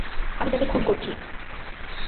আমি তাকে খুন করছি।